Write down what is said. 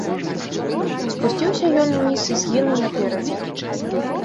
Спусціўся ён уніз і згінуў наперадзе.